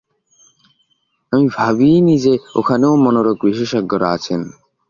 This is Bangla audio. আমি ভাবিইনি যে ওখানেও মনোরোগ বিশেষজ্ঞরা আছেন।